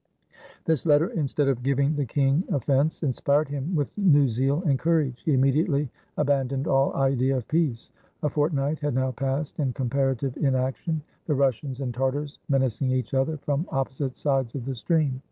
This letter, instead of giving the king offense, inspired him with new zeal and courage. He immediately aban doned all idea of peace. A fortnight had now passed in comparative inaction, the Russians and Tartars menac ing each other from opposite sides of the stream.